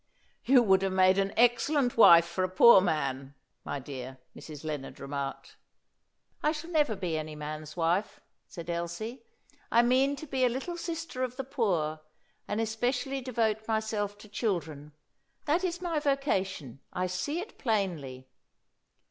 "You would have made an excellent wife for a poor man, my dear," Mrs. Lennard remarked. "I shall never be any man's wife," said Elsie. "I mean to be a little sister of the poor, and especially devote myself to children. That is my vocation; I see it plainly."